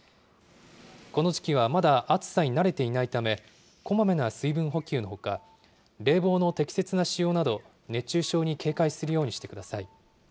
この時期はまだ暑さに慣れていないため、こまめな水分補給のほか、冷房の適切な使用など、熱中症に警戒するようにしてください。